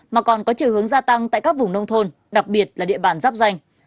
mà còn có chiều hướng gia tăng tại các vùng nông thôn đặc biệt là địa bàn giáp danh